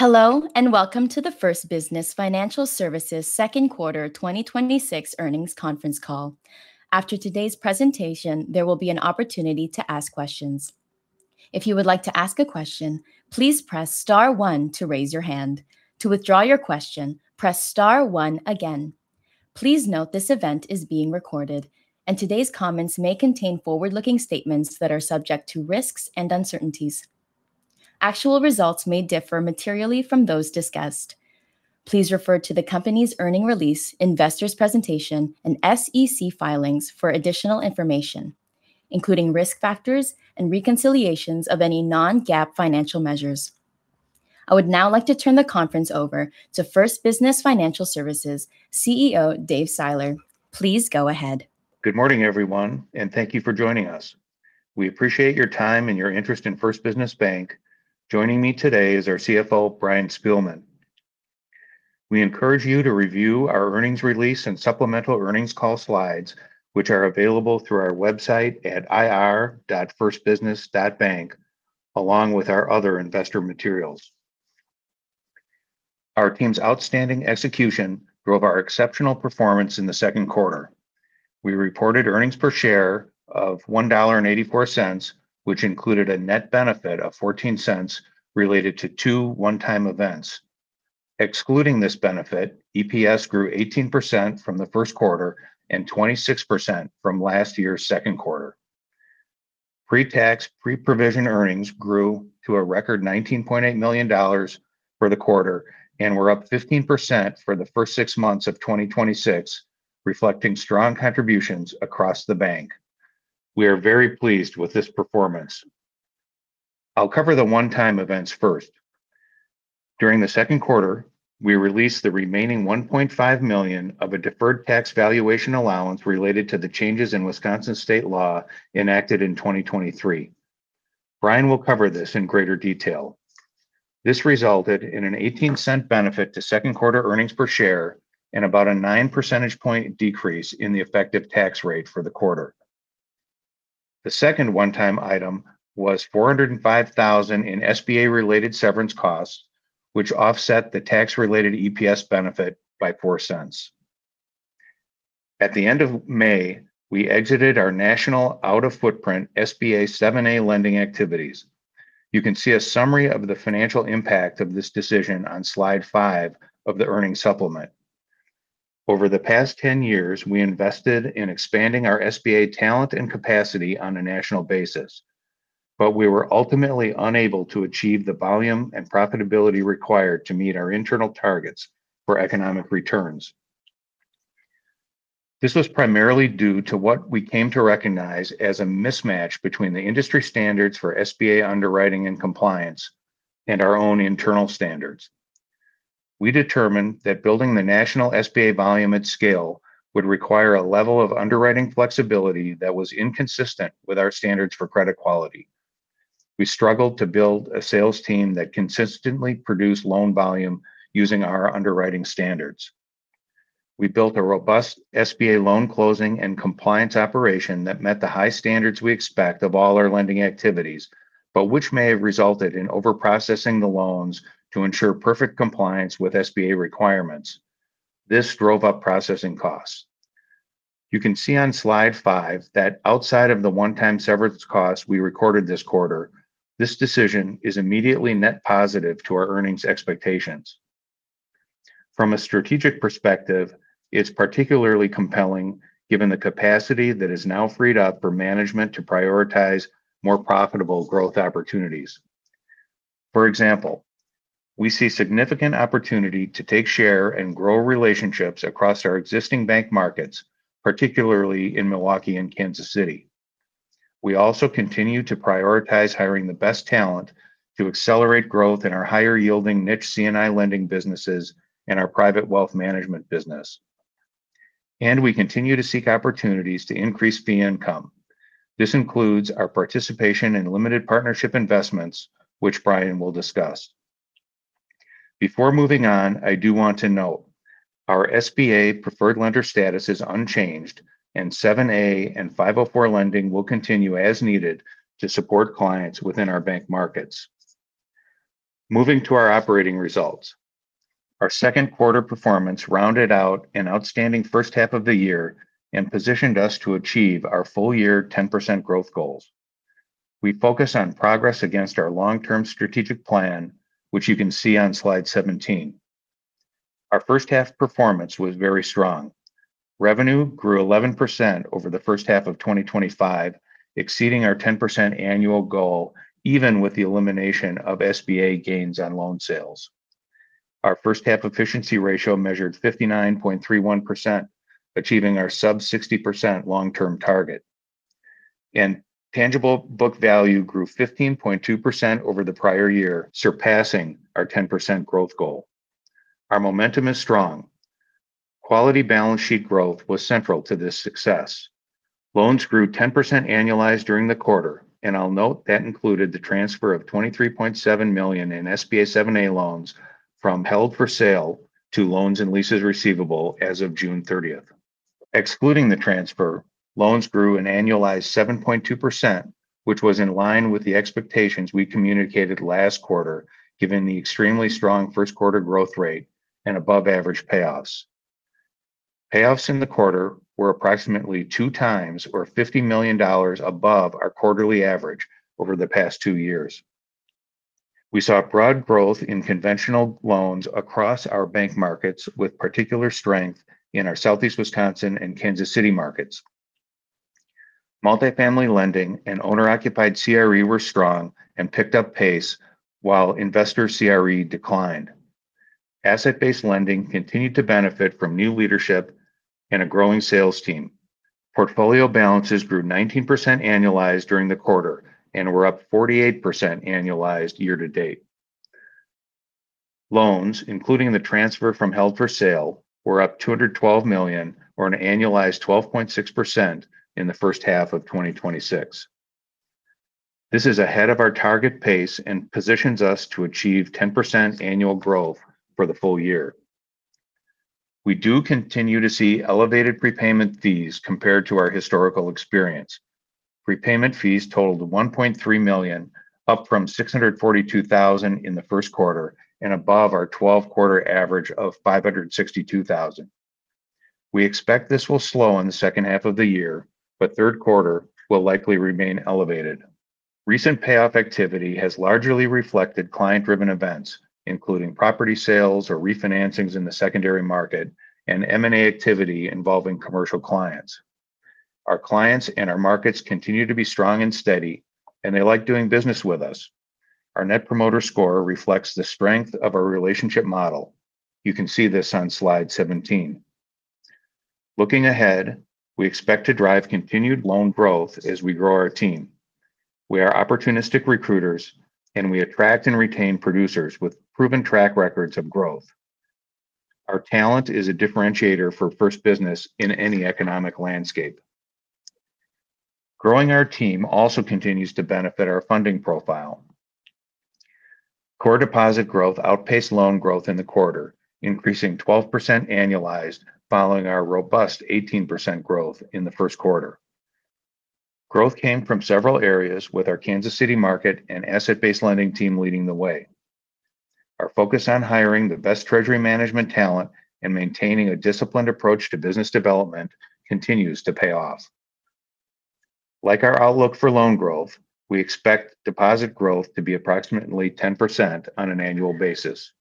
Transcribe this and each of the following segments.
Hello, and welcome to the First Business Financial Services second quarter 2026 earnings conference call. After today's presentation, there will be an opportunity to ask questions. If you would like to ask a question, please press star one to raise your hand. To withdraw your question, press star one again. Please note this event is being recorded, and today's comments may contain forward-looking statements that are subject to risks and uncertainties. Actual results may differ materially from those discussed. Please refer to the company's earnings release, investor's presentation, and SEC filings for additional information, including risk factors and reconciliations of any non-GAAP financial measures. I would now like to turn the conference over to First Business Financial Services CEO, Dave Seiler. Please go ahead. Good morning, everyone. Thank you for joining us. We appreciate your time and your interest in First Business Bank. Joining me today is our CFO, Brian Spielmann. We encourage you to review our earnings release and supplemental earnings call slides, which are available through our website at ir.firstbusiness.bank, along with our other investor materials. Our team's outstanding execution drove our exceptional performance in the second quarter. We reported earnings per share of $1.84, which included a net benefit of $0.14 related to two one-time events. Excluding this benefit, EPS grew 18% from the first quarter and 26% from last year's second quarter. Pre-tax, pre-provision earnings grew to a record $19.8 million for the quarter and were up 15% for the first six months of 2026, reflecting strong contributions across the bank. We are very pleased with this performance. I'll cover the one-time events first. During the second quarter, we released the remaining $1.5 million of a deferred tax valuation allowance related to the changes in Wisconsin state law enacted in 2023. Brian will cover this in greater detail. This resulted in an $0.18 benefit to second quarter earnings per share and about a nine percentage point decrease in the effective tax rate for the quarter. The second one-time item was $405,000 in SBA-related severance costs, which offset the tax-related EPS benefit by $0.04. At the end of May, we exited our national out-of-footprint SBA 7(a) lending activities. You can see a summary of the financial impact of this decision on slide five of the earnings supplement. Over the past 10 years, we invested in expanding our SBA talent and capacity on a national basis. We were ultimately unable to achieve the volume and profitability required to meet our internal targets for economic returns. This was primarily due to what we came to recognize as a mismatch between the industry standards for SBA underwriting and compliance and our own internal standards. We determined that building the national SBA volume at scale would require a level of underwriting flexibility that was inconsistent with our standards for credit quality. We struggled to build a sales team that consistently produced loan volume using our underwriting standards. We built a robust SBA loan closing and compliance operation that met the high standards we expect of all our lending activities, but which may have resulted in over-processing the loans to ensure perfect compliance with SBA requirements. This drove up processing costs. You can see on slide five that outside of the one-time severance costs we recorded this quarter, this decision is immediately net positive to our earnings expectations. From a strategic perspective, it's particularly compelling given the capacity that is now freed up for management to prioritize more profitable growth opportunities. For example, we see significant opportunity to take share and grow relationships across our existing bank markets, particularly in Milwaukee and Kansas City. We also continue to prioritize hiring the best talent to accelerate growth in our higher-yielding niche C&I lending businesses and our private wealth management business. We continue to seek opportunities to increase fee income. This includes our participation in limited partnership investments, which Brian will discuss. Before moving on, I do want to note, our SBA preferred lender status is unchanged, and 7(a) and 504 lending will continue as needed to support clients within our bank markets. Moving to our operating results. Our second quarter performance rounded out an outstanding first half of the year and positioned us to achieve our full year 10% growth goals. We focus on progress against our long-term strategic plan, which you can see on slide 17. Our first half performance was very strong. Revenue grew 11% over the first half of 2025, exceeding our 10% annual goal, even with the elimination of SBA gains on loan sales. Our first half efficiency ratio measured 59.31%, achieving our sub 60% long-term target. Tangible book value grew 15.2% over the prior year, surpassing our 10% growth goal. Our momentum is strong. Quality balance sheet growth was central to this success. Loans grew 10% annualized during the quarter, and I'll note that included the transfer of $23.7 million in SBA 7(a) loans from held for sale to loans and leases receivable as of June 30th. Excluding the transfer, loans grew an annualized 7.2%, which was in line with the expectations we communicated last quarter, given the extremely strong first quarter growth rate and above average payoffs. Payoffs in the quarter were approximately two times, or $50 million above our quarterly average over the past two years. We saw broad growth in conventional loans across our bank markets with particular strength in our Southeast Wisconsin and Kansas City markets. Multifamily lending and owner-occupied CRE were strong and picked up pace while investor CRE declined. Asset-based lending continued to benefit from new leadership and a growing sales team. Portfolio balances grew 19% annualized during the quarter and were up 48% annualized year to date. Loans, including the transfer from held for sale, were up $212 million or an annualized 12.6% in the first half of 2026. This is ahead of our target pace and positions us to achieve 10% annual growth for the full year. We do continue to see elevated prepayment fees compared to our historical experience. Prepayment fees totaled $1.3 million, up from $642,000 in the first quarter and above our 12-quarter average of $562,000. We expect this will slow in the second half of the year, but third quarter will likely remain elevated. Recent payoff activity has largely reflected client-driven events, including property sales or refinancings in the secondary market and M&A activity involving commercial clients. Our clients and our markets continue to be strong and steady, and they like doing business with us. Our net promoter score reflects the strength of our relationship model. You can see this on slide 17. Looking ahead, we expect to drive continued loan growth as we grow our team. We are opportunistic recruiters, and we attract and retain producers with proven track records of growth. Our talent is a differentiator for First Business in any economic landscape. Growing our team also continues to benefit our funding profile. Core deposit growth outpaced loan growth in the quarter, increasing 12% annualized following our robust 18% growth in the first quarter. Growth came from several areas with our Kansas City market and asset-based lending team leading the way. Our focus on hiring the best treasury management talent and maintaining a disciplined approach to business development continues to pay off. Like our outlook for loan growth, we expect deposit growth to be approximately 10% on an annual basis.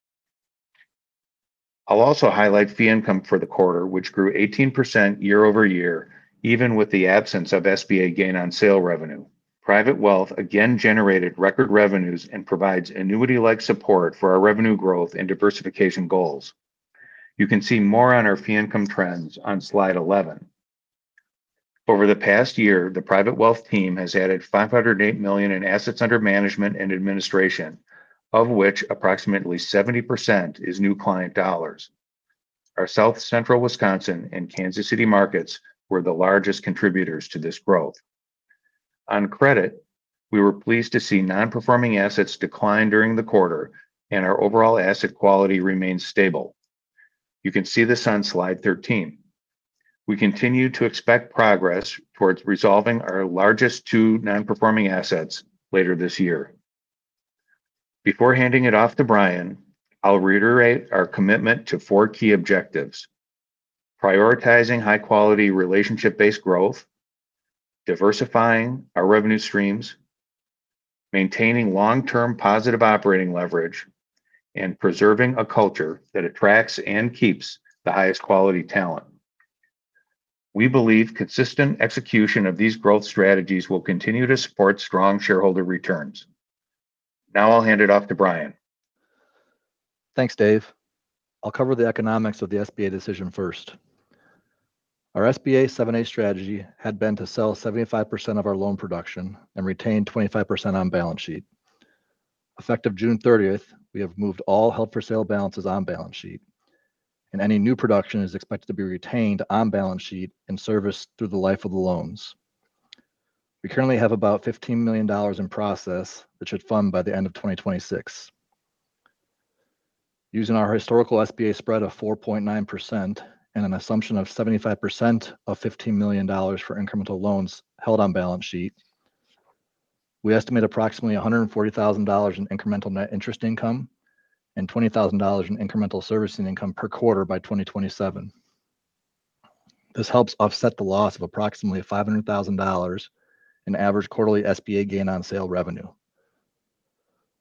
I'll also highlight fee income for the quarter, which grew 18% year-over-year, even with the absence of SBA gain-on-sale revenue. Private wealth again generated record revenues and provides annuity-like support for our revenue growth and diversification goals. You can see more on our fee income trends on slide 11. Over the past year, the private wealth team has added $508 million in assets under management and administration, of which approximately 70% is new client dollars. Our South Central Wisconsin and Kansas City markets were the largest contributors to this growth. On credit, we were pleased to see non-performing assets decline during the quarter and our overall asset quality remains stable. You can see this on slide 13. We continue to expect progress towards resolving our largest two non-performing assets later this year. Before handing it off to Brian, I'll reiterate our commitment to four key objectives: prioritizing high quality relationship-based growth, diversifying our revenue streams, maintaining long-term positive operating leverage, and preserving a culture that attracts and keeps the highest quality talent. We believe consistent execution of these growth strategies will continue to support strong shareholder returns. Now I'll hand it off to Brian. Thanks, Dave. I'll cover the economics of the SBA decision first. Our SBA 7(a) strategy had been to sell 75% of our loan production and retain 25% on balance sheet. Effective June 30th, we have moved all held for sale balances on balance sheet, and any new production is expected to be retained on balance sheet and serviced through the life of the loans. We currently have about $15 million in process, which should fund by the end of 2026. Using our historical SBA spread of 4.9% and an assumption of 75% of $15 million for incremental loans held on balance sheet, we estimate approximately $140,000 in incremental net interest income and $20,000 in incremental servicing income per quarter by 2027. This helps offset the loss of approximately $500,000 in average quarterly SBA gain-on-sale revenue.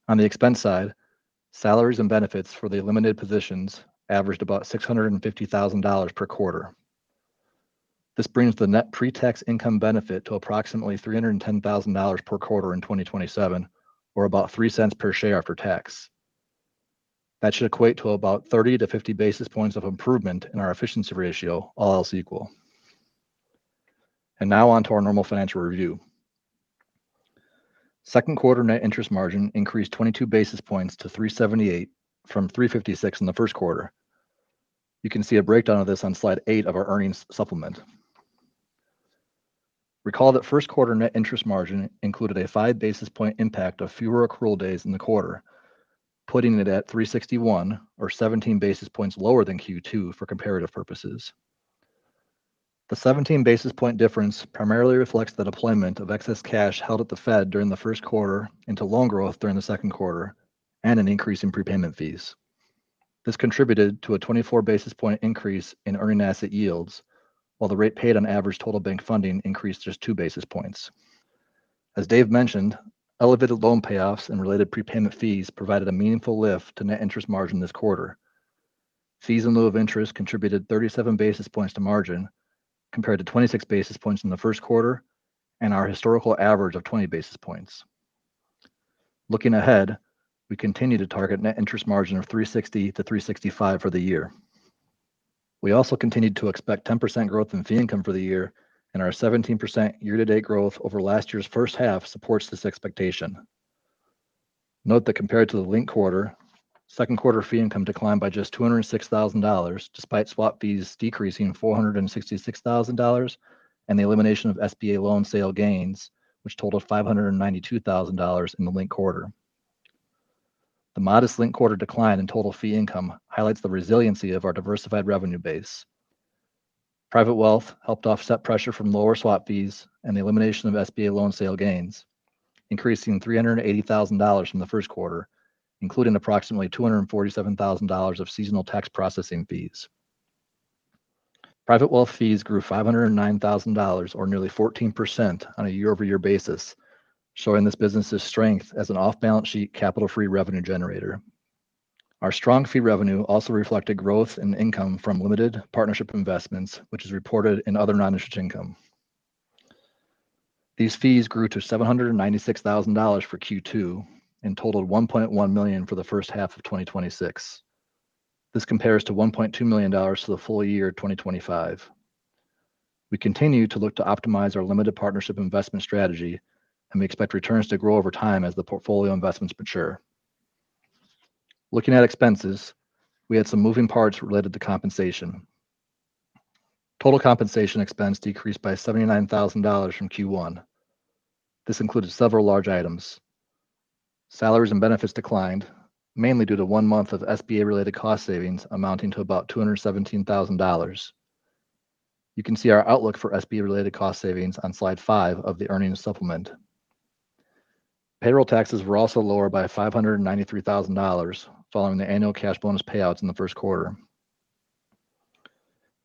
On the expense side, salaries and benefits for the limited positions averaged $650,000 per quarter. This brings the net pre-tax income benefit to approximately $310,000 per quarter in 2027, or about $0.03 per share after tax. That should equate to about 30-50 basis points of improvement in our efficiency ratio, all else equal. Now on to our normal financial review. Second quarter net interest margin increased 22 basis points to 378 from 356 in the first quarter. You can see a breakdown of this on slide eight of our earnings supplement. Recall that first quarter net interest margin included a 5 basis point impact of fewer accrual days in the quarter, putting it at 361, or 17 basis points lower than Q2 for comparative purposes. The 17 basis point difference primarily reflects the deployment of excess cash held at the Fed during the first quarter into loan growth during the second quarter, and an increase in prepayment fees. This contributed to a 24 basis point increase in earning asset yields, while the rate paid on average total bank funding increased just 2 basis points. As Dave mentioned, elevated loan payoffs and related prepayment fees provided a meaningful lift to net interest margin this quarter. Fees in lieu of interest contributed 37 basis points to margin, compared to 26 basis points in the first quarter, and our historical average of 20 basis points. Looking ahead, we continue to target net interest margin of 360-365 for the year. We also continued to expect 10% growth in fee income for the year, and our 17% year-to-date growth over last year's first half supports this expectation. Note that compared to the linked quarter, second quarter fee income declined by just $206,000, despite swap fees decreasing $466,000 and the elimination of SBA loan sale gains, which totaled $592,000 in the linked quarter. The modest linked quarter decline in total fee income highlights the resiliency of our diversified revenue base. Private wealth helped offset pressure from lower swap fees and the elimination of SBA loan sale gains, increasing $380,000 from the first quarter, including approximately $247,000 of seasonal tax processing fees. Private wealth fees grew $509,000, or nearly 14% on a year-over-year basis, showing this business' strength as an off-balance sheet capital-free revenue generator. Our strong fee revenue also reflected growth in income from limited partnership investments, which is reported in other non-interest income. These fees grew to $796,000 for Q2 and totaled $1.1 million for the first half of 2026. This compares to $1.2 million to the full year 2025. We continue to look to optimize our limited partnership investment strategy, and we expect returns to grow over time as the portfolio investments mature. Looking at expenses, we had some moving parts related to compensation. Total compensation expense decreased by $79,000 from Q1. This included several large items. Salaries and benefits declined, mainly due to one month of SBA-related cost savings amounting to $217,000. You can see our outlook for SBA-related cost savings on slide five of the earnings supplement. Payroll taxes were also lower by $593,000 following the annual cash bonus payouts in the first quarter.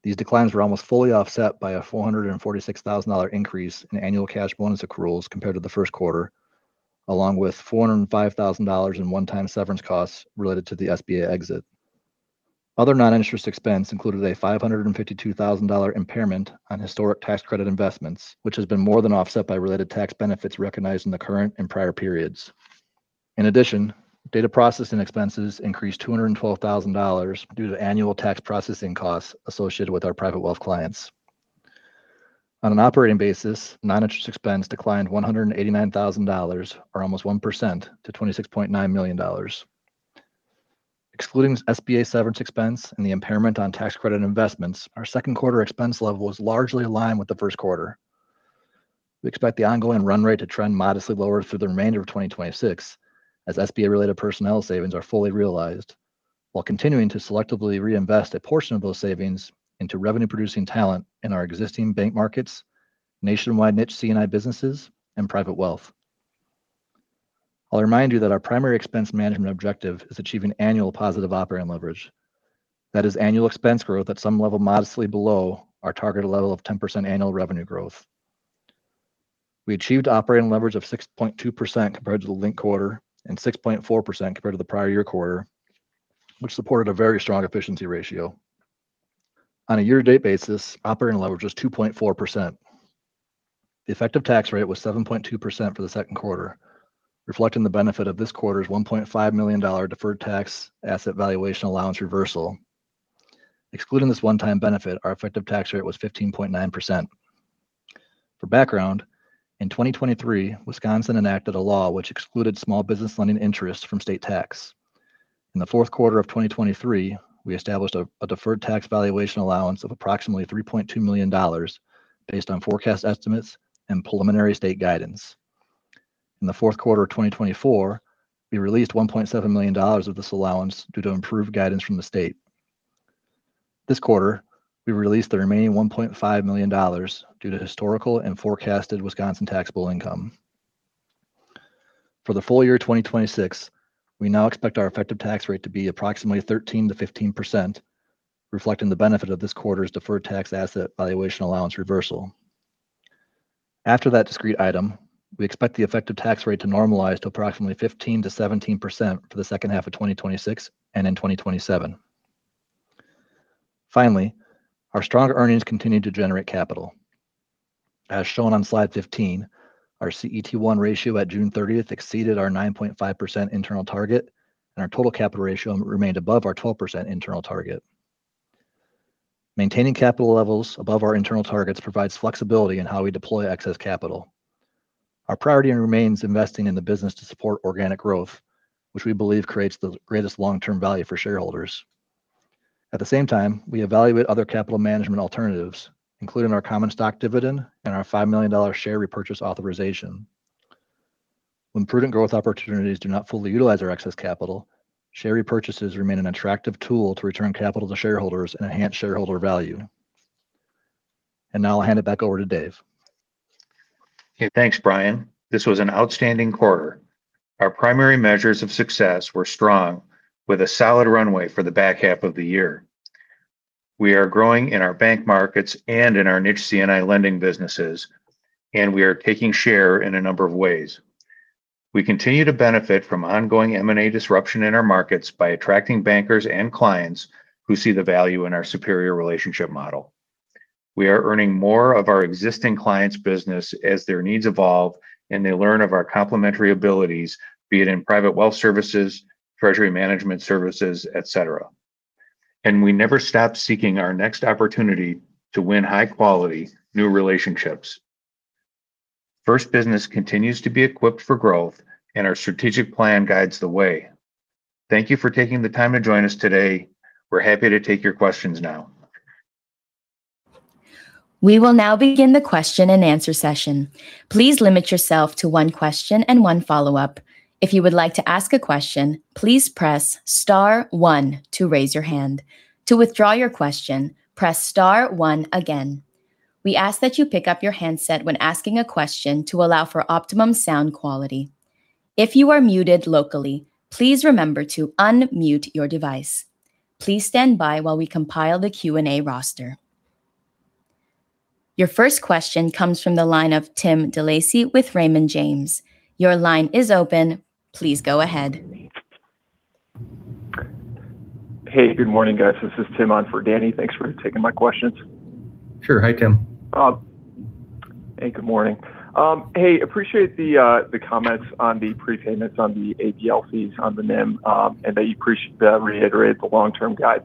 These declines were almost fully offset by a $446,000 increase in annual cash bonus accruals compared to the first quarter, along with $405,000 in one-time severance costs related to the SBA exit. Other non-interest expense included a $552,000 impairment on historic tax credit investments, which has been more than offset by related tax benefits recognized in the current and prior periods. In addition, data processing expenses increased $212,000 due to annual tax processing costs associated with our private wealth clients. On an operating basis, non-interest expense declined $189,000, or almost 1%, to $26.9 million. Excluding SBA severance expense and the impairment on tax credit investments, our second quarter expense level was largely in line with the first quarter. We expect the ongoing run rate to trend modestly lower through the remainder of 2026 as SBA-related personnel savings are fully realized while continuing to selectively reinvest a portion of those savings into revenue-producing talent in our existing bank markets, nationwide niche C&I businesses, and private wealth. I'll remind that our primary expense management objective is achieving annual positive operating leverage. That is annual expense growth at some level modestly below our targeted level of 10% annual revenue growth. We achieved operating leverage of 6.2% compared to the linked quarter and 6.4% compared to the prior year quarter, which supported a very strong efficiency ratio. On a year-to-date basis, operating leverage was 2.4%. The effective tax rate was 7.2% for the second quarter, reflecting the benefit of this quarter's $1.5 million deferred tax asset valuation allowance reversal. Excluding this one-time benefit, our effective tax rate was 15.9%. For background, in 2023, Wisconsin enacted a law which excluded small business lending interest from state tax. In the fourth quarter of 2023, we established a deferred tax valuation allowance of approximately $3.2 million based on forecast estimates and preliminary state guidance. In the fourth quarter of 2024, we released $1.7 million of this allowance due to improved guidance from the state. This quarter, we released the remaining $1.5 million due to historical and forecasted Wisconsin taxable income. For the full year 2026, we now expect our effective tax rate to be approximately 13%-15%, reflecting the benefit of this quarter's deferred tax asset valuation allowance reversal. After that discrete item, we expect the effective tax rate to normalize to approximately 15%-17% for the second half of 2026 and in 2027. Our strong earnings continue to generate capital. As shown on slide 15, our CET1 ratio at June 30th exceeded our 9.5% internal target, and our total capital ratio remained above our 12% internal target. Maintaining capital levels above our internal targets provides flexibility in how we deploy excess capital. Our priority remains investing in the business to support organic growth, which we believe creates the greatest long-term value for shareholders. At the same time, we evaluate other capital management alternatives, including our common stock dividend and our $5 million share repurchase authorization. When prudent growth opportunities do not fully utilize our excess capital, share repurchases remain an attractive tool to return capital to shareholders and enhance shareholder value. Now I'll hand it back over to Dave. Okay. Thanks, Brian. This was an outstanding quarter. Our primary measures of success were strong, with a solid runway for the back half of the year. We are growing in our bank markets and in our niche C&I lending businesses, and we are taking share in a number of ways. We continue to benefit from ongoing M&A disruption in our markets by attracting bankers and clients who see the value in our superior relationship model. We are earning more of our existing clients' business as their needs evolve and they learn of our complementary abilities, be it in private wealth services, treasury management services, et cetera. We never stop seeking our next opportunity to win high-quality new relationships. First Business continues to be equipped for growth and our strategic plan guides the way. Thank you for taking the time to join us today. We're happy to take your questions now. We will now begin the question and answer session. Please limit yourself to one question and one follow-up. If you would like to ask a question, please press star one to raise your hand. To withdraw your question, press star one again. We ask that you pick up your handset when asking a question to allow for optimum sound quality. If you are muted locally, please remember to unmute your device. Please stand by while we compile the Q&A roster. Your first question comes from the line of Tim Delaney with Raymond James. Your line is open. Please go ahead. Hey, good morning, guys. This is Tim on for Danny. Thanks for taking my questions. Sure. Hey, Tim. Hey, good morning. Appreciate the comments on the prepayments on the ABL fees on the NIM, and that you reiterate the long-term guide.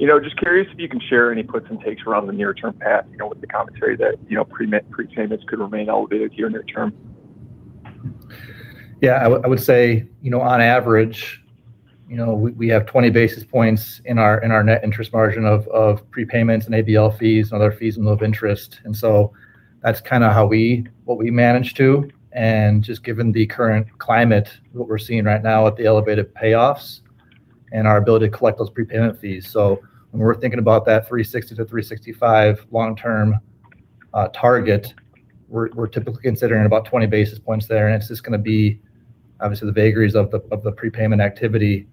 Just curious if you can share any puts and takes around the near-term path with the commentary that prepayments could remain elevated here near term. Yeah. I would say on average we have 20 basis points in our net interest margin of prepayments and ABL fees and other fees in lieu of interest. That's kind of what we manage to, and just given the current climate, what we're seeing right now with the elevated payoffs and our ability to collect those prepayment fees. When we're thinking about that 360-365 long-term target, we're typically considering about 20 basis points there, and it's just going to be obviously the vagaries of the prepayment activity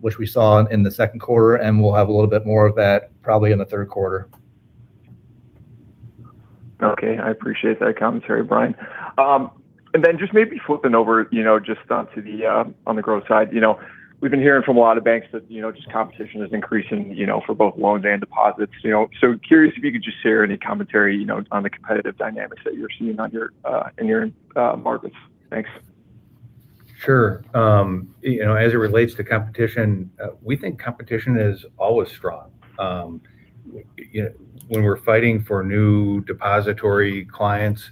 which we saw in the second quarter, and we'll have a little bit more of that probably in the third quarter. Okay. I appreciate that commentary, Brian. Just maybe flipping over just onto the growth side. We've been hearing from a lot of banks that just competition is increasing for both loans and deposits. Curious if you could just share any commentary on the competitive dynamics that you're seeing in your markets. Thanks. Sure. As it relates to competition, we think competition is always strong. When we're fighting for new depository clients,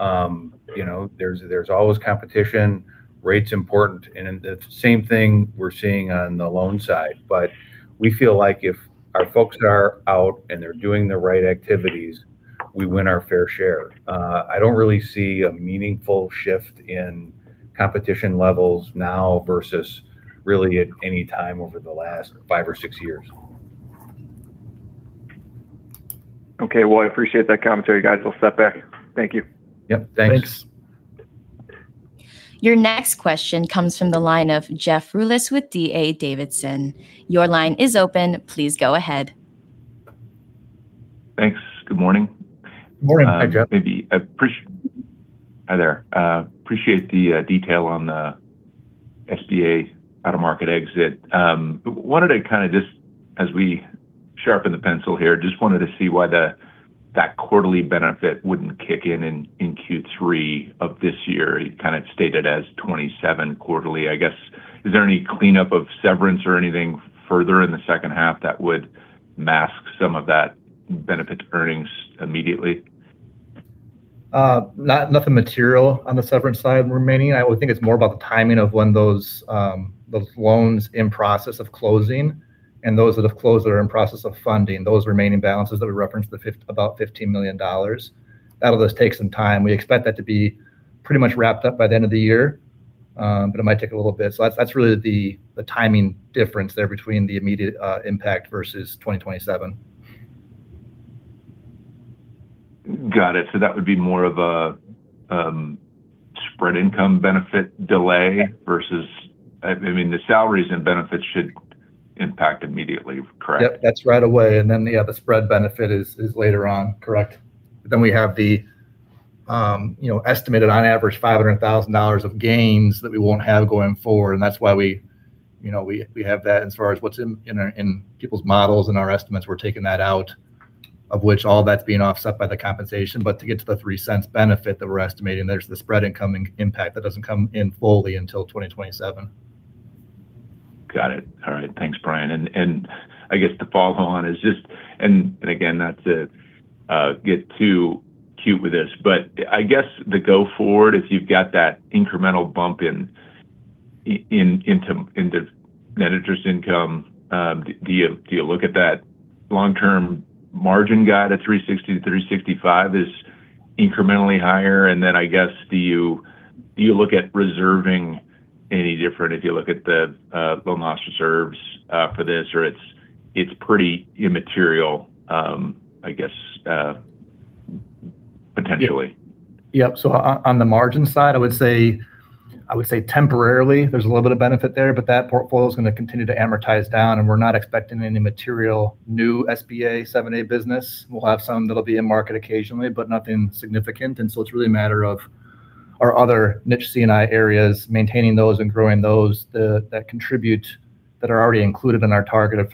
there's always competition. Rate's important. The same thing we're seeing on the loan side. We feel like if our folks are out and they're doing the right activities, we win our fair share. I don't really see a meaningful shift in competition levels now versus really at any time over the last five or six years. Okay. Well, I appreciate that commentary, guys. We'll step back. Thank you. Yep, thanks. Thanks. Your next question comes from the line of Jeff Rulis with D.A. Davidson. Your line is open. Please go ahead. Thanks. Good morning. Morning. Hi, Jeff. Hi there. Appreciate the detail on the SBA out-of-market exit. As we sharpen the pencil here, just wanted to see why that quarterly benefit wouldn't kick in in Q3 of this year. You kind of stated as $27 quarterly. I guess, is there any cleanup of severance or anything further in the second half that would mask some of that benefit to earnings immediately? Nothing material on the severance side remaining. I would think it's more about the timing of when those loans in process of closing and those that have closed that are in process of funding, those remaining balances that we referenced, about $15 million. That'll just take some time. We expect that to be pretty much wrapped up by the end of the year. It might take a little bit. That's really the timing difference there between the immediate impact versus 2027. Got it. That would be more of a spread income benefit delay. The salaries and benefits should impact immediately, correct? Yep, that's right away, the other spread benefit is later on. Correct. We have the estimated on average $500,000 of gains that we won't have going forward, and that's why we have that as far as what's in people's models and our estimates. We're taking that out, of which all that's being offset by the compensation. To get to the $0.03 benefit that we're estimating, there's the spread incoming impact that doesn't come in fully until 2027. Got it. All right. Thanks, Brian. I guess the follow-on is just. Again, not to get cute with this. I guess the go-forward, if you've got that incremental bump into net interest income, do you look at that long-term margin guide at 360-365 as incrementally higher? I guess, do you look at reserving any different if you look at the loan loss reserves for this or it's pretty immaterial, I guess, potentially? Yep. On the margin side, I would say temporarily there's a little bit of benefit there, but that portfolio's going to continue to amortize down and we're not expecting any material new SBA 7(a) business. We'll have some that'll be in market occasionally, but nothing significant. It's really a matter of our other niche C&I areas, maintaining those and growing those that contribute, that are already included in our target of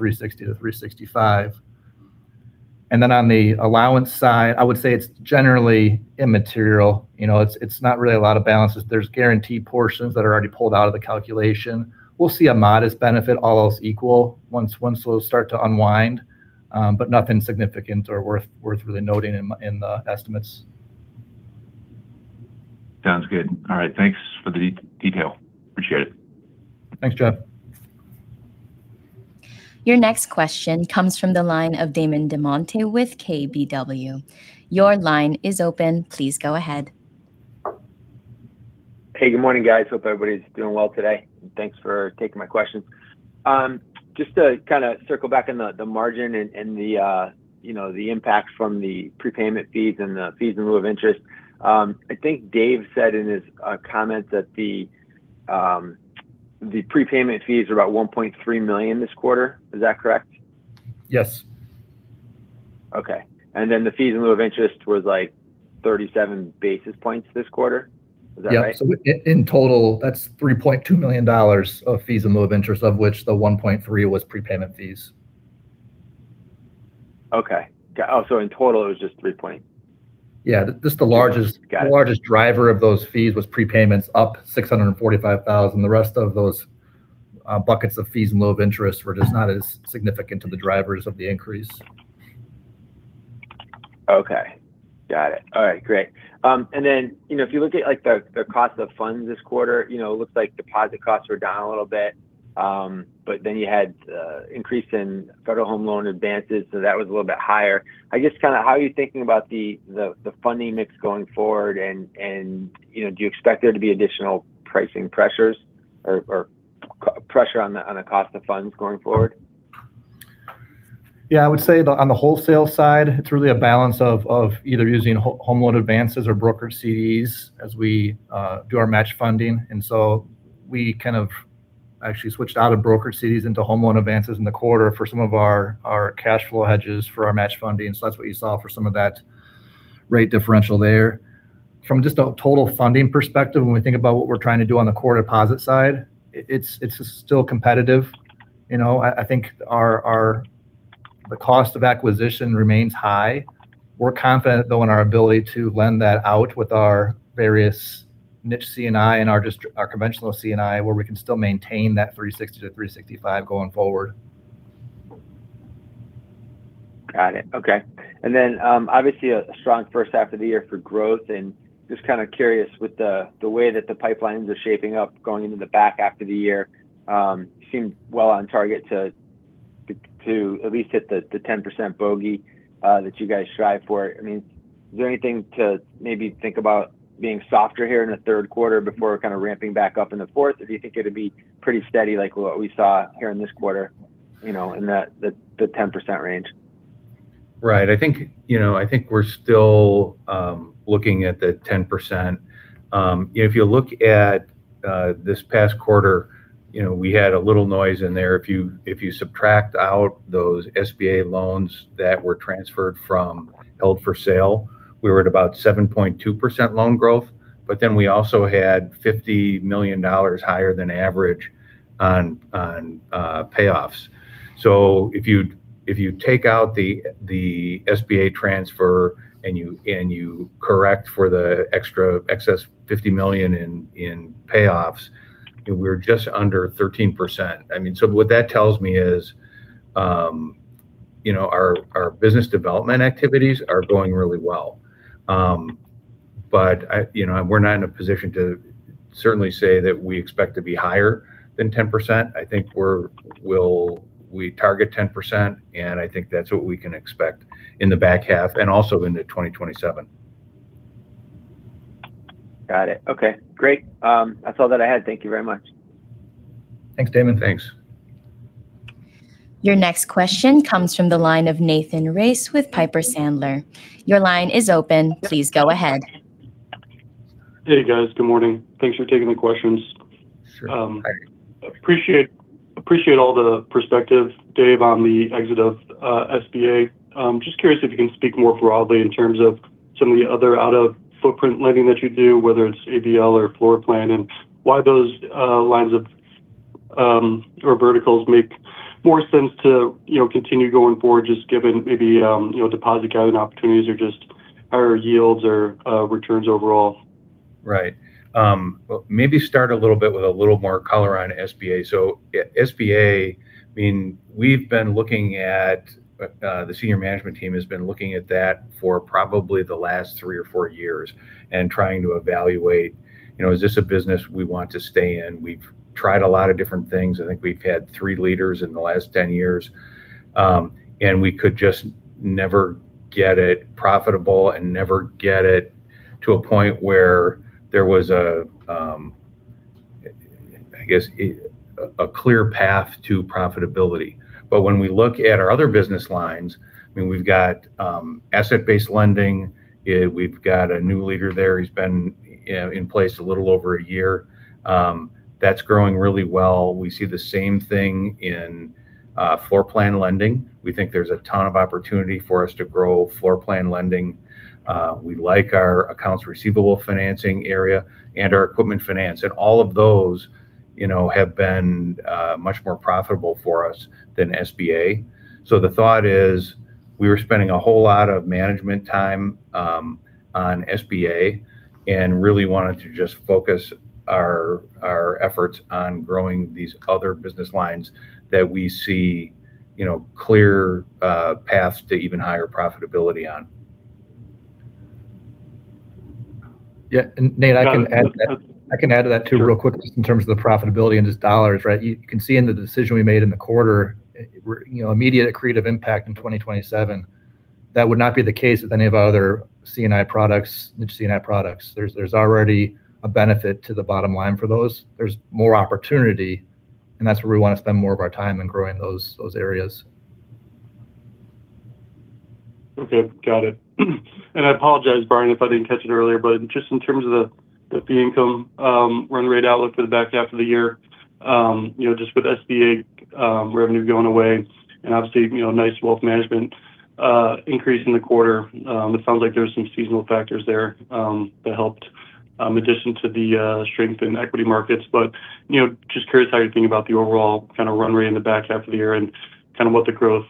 360-365. On the allowance side, I would say it's generally immaterial. It's not really a lot of balances. There's guarantee portions that are already pulled out of the calculation. We'll see a modest benefit all else equal once those start to unwind. Nothing significant or worth really noting in the estimates. Sounds good. All right. Thanks for the detail. Appreciate it. Thanks, Jeff. Your next question comes from the line of Damon DelMonte with KBW. Your line is open. Please go ahead. Hey, good morning, guys. Hope everybody's doing well today, and thanks for taking my questions. Just to kind of circle back on the margin and the impact from the prepayment fees and the fees in lieu of interest. I think Dave said in his comment that the prepayment fees are about $1.3 million this quarter. Is that correct? Yes. Okay. The fees in lieu of interest was like 37 basis points this quarter. Is that right? Yeah. In total, that's $3.2 million of fees in lieu of interest, of which the $1.3 was prepayment fees. Okay. Got it. Yeah. Got it. The largest driver of those fees was prepayments, up $645,000. The rest of those buckets of fees in lieu of interest were just not as significant to the drivers of the increase. Okay. Got it. All right, great. If you look at the cost of funds this quarter, it looks like deposit costs were down a little bit, but then you had increase in Federal Home Loan advances, so that was a little bit higher. I guess, kind of how are you thinking about the funding mix going forward and do you expect there to be additional pricing pressures or pressure on the cost of funds going forward? Yeah, I would say the, on the wholesale side, it's really a balance of either using Federal Home Loan advances or broker CDs as we do our match funding. We kind of actually switched out of broker CDs into Federal Home Loan advances in the quarter for some of our cash flow hedges for our match funding. That's what you saw for some of that rate differential there. From just a total funding perspective, when we think about what we're trying to do on the core deposit side, it's still competitive. I think the cost of acquisition remains high. We're confident, though, in our ability to lend that out with our various niche C&I and our conventional C&I where we can still maintain that 360 to 365 going forward. Got it. Okay. Obviously a strong first half of the year for growth and just kind of curious with the way that the pipelines are shaping up, going into the back half of the year. Seemed well on target to at least hit the 10% bogey that you guys strive for. Is there anything to maybe think about being softer here in the third quarter before kind of ramping back up in the fourth? Or do you think it would be pretty steady, like what we saw here in this quarter, in the 10% range? Right. I think we're still looking at the 10%. If you look at this past quarter, we had a little noise in there. If you subtract out those SBA loans that were transferred from held for sale, we were at about 7.2% loan growth, we also had $50 million higher than average on payoffs. If you take out the SBA transfer and you correct for the excess $50 million in payoffs, we're just under 13%. What that tells me is our business development activities are going really well. We're not in a position to certainly say that we expect to be higher than 10%. I think we target 10%, and I think that's what we can expect in the back half and also into 2027. Got it. Okay. Great. That's all that I had. Thank you very much. Thanks, Damon. Thanks. Your next question comes from the line of Nathan Race with Piper Sandler. Your line is open. Please go ahead. Hey, guys. Good morning. Thanks for taking the questions. Sure. Hi. Appreciate all the perspective, Dave, on the exit of SBA. Just curious if you can speak more broadly in terms of some of the other out-of-footprint lending that you do, whether it's ABL or floor plan, and why those lines or verticals make more sense to continue going forward, just given maybe deposit gathering opportunities or just higher yields or returns overall? Right. Maybe start a little bit with a little more color on SBA. SBA, the senior management team has been looking at that for probably the last three or four years and trying to evaluate, is this a business we want to stay in? We've tried a lot of different things. I think we've had three leaders in the last 10 years. We could just never get it profitable and never get it to a point where there was a clear path to profitability. When we look at our other business lines, we've got asset-based lending. We've got a new leader there. He's been in place a little over a year. That's growing really well. We see the same thing in floor plan lending. We think there's a ton of opportunity for us to grow floor plan lending. We like our accounts receivable financing area and our equipment finance. All of those have been much more profitable for us than SBA. The thought is we were spending a whole lot of management time on SBA and really wanted to just focus our efforts on growing these other business lines that we see clear paths to even higher profitability on. Yeah. Nate, I can add to that too real quickly just in terms of the profitability and just dollars, right? You can see in the decision we made in the quarter, immediate accretive impact in 2027. That would not be the case with any of our other C&I products. There's already a benefit to the bottom line for those. There's more opportunity, and that's where we want to spend more of our time in growing those areas. Okay. Got it. I apologize, Brian, if I didn't catch it earlier, just in terms of the fee income run rate outlook for the back half of the year. Just with SBA revenue going away and obviously, nice wealth management increase in the quarter. It sounds like there's some seasonal factors there that helped in addition to the strength in equity markets. Just curious how you're thinking about the overall kind of run rate in the back half of the year and kind of what the growth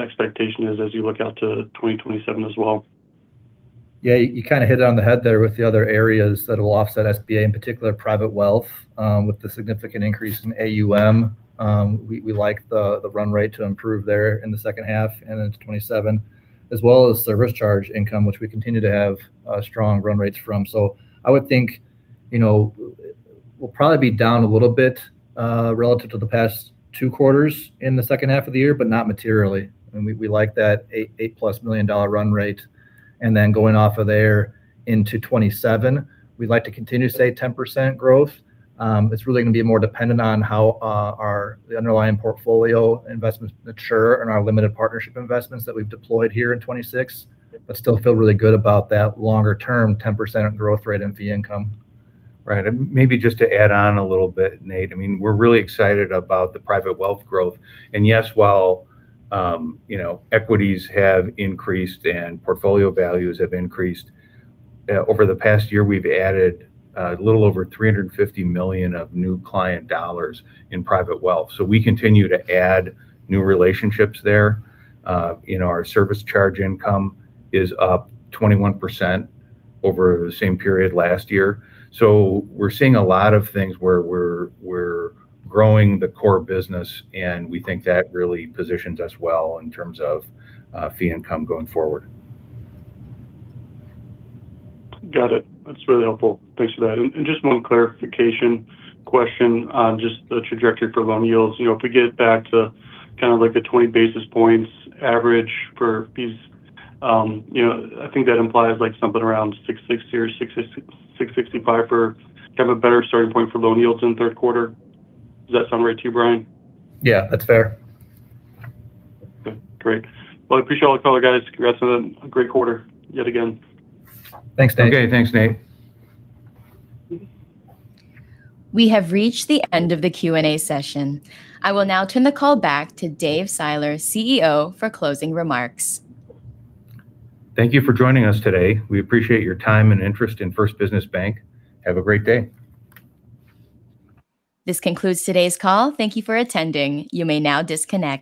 expectation is as you look out to 2027 as well. Yeah. You kind of hit it on the head there with the other areas that will offset SBA, in particular private wealth with the significant increase in AUM. We like the run rate to improve there in the second half and into 2027, as well as service charge income, which we continue to have strong run rates from. I would think we'll probably be down a little bit, relative to the past two quarters in the second half of the year, but not materially. We like that +$8 million run rate. Then going off of there into 2027, we'd like to continue to stay at 10% growth. It's really going to be more dependent on how our underlying portfolio investments mature and our limited partnership investments that we've deployed here in 2026. Still feel really good about that longer term 10% growth rate in fee income. Right. Maybe just to add on a little bit, Nate. We're really excited about the private wealth growth. Yes, while equities have increased and portfolio values have increased, over the past year, we've added a little over $350 million of new client dollars in private wealth. We continue to add new relationships there. Our service charge income is up 21% over the same period last year. We're seeing a lot of things where we're growing the core business, and we think that really positions us well in terms of fee income going forward. Got it. That's really helpful. Thanks for that. Just one clarification question on just the trajectory for loan yields. If we get back to kind of like the 20 basis points average for these, I think that implies something around 660 or 665 for kind of a better starting point for loan yields in the third quarter. Does that sound right to you, Brian? Yeah. That's fair. Okay. Great. Well, I appreciate all the color, guys. Congrats on a great quarter yet again. Thanks, Nate. Okay. Thanks, Nate. We have reached the end of the Q&A session. I will now turn the call back to Dave Seiler, CEO, for closing remarks. Thank you for joining us today. We appreciate your time and interest in First Business Bank. Have a great day. This concludes today's call. Thank you for attending. You may now disconnect.